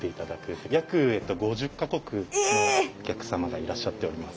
約５０か国のお客様がいらっしゃっております。